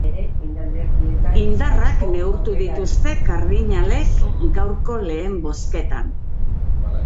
Indarrak neurtu dituzte kardinalek gaurko lehen bozketan.